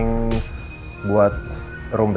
jangan bawa jumlah